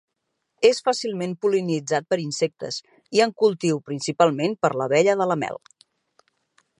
És fàcilment pol·linitzat per insectes i en cultiu principalment per l'abella de la mel.